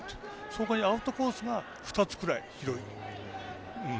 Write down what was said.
その代わり、アウトコースが２つくらい広い。